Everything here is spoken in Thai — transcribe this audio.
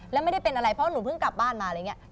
แล้วไม่ได้เป็นอะไรเพราะหนูเพิ่งกลับบ้านมาอะไรอย่างนี้